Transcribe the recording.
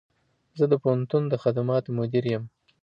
زه د پوهنتون د خدماتو مدیر یم